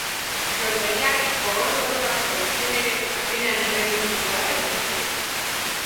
Norvegiarrek gogor borrokatu bazuten ere azkenean errenditu beharra izan zuen.